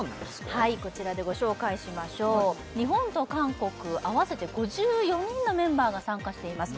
はいこちらでご紹介しましょう日本と韓国合わせて５４人のメンバーが参加しています